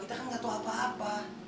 kita kan gak tau apa apa